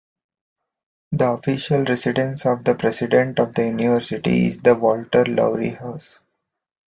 The official residence of the president of the university is the Walter Lowrie House.